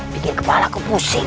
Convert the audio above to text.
bikin kepalaku pusing